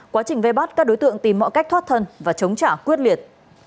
quá trình vây bắt các đối tượng tìm mọi cách thoát thân và chống trả quyết liệt